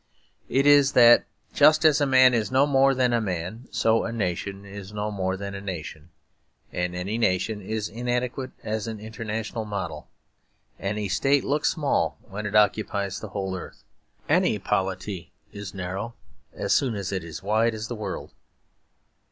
It is that just as a man is no more than a man, so a nation is no more than a nation; and any nation is inadequate as an international model. Any state looks small when it occupies the whole earth. Any polity is narrow as soon as it is as wide as the world.